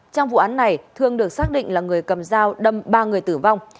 trong vụ án này thương được xác định là người cầm dao đâm ba người tử vong